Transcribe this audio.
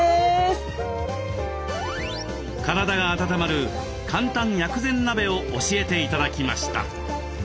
体が温まる簡単薬膳鍋を教えて頂きました。